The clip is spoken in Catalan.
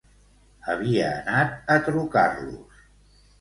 Havia anat a trucar-los.